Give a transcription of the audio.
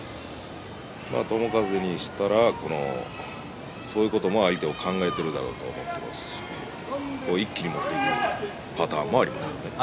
友風にしたらば、そういうことを相手は考えているだろうと一気に持っていくパターンもありますね。